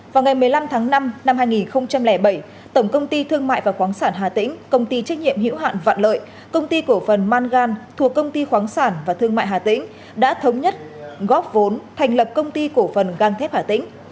vào ngày một mươi năm tháng năm năm hai nghìn bảy tổng công ty thương mại và khoáng sản hà tĩnh công ty trách nhiệm hữu hạn vạn lợi công ty cổ phần mangan thuộc công ty khoáng sản và thương mại hà tĩnh đã thống nhất góp vốn thành lập công ty cổ phần gang thép hà tĩnh